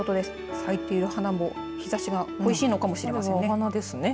咲いている花も日ざしが恋しいのかもしれません。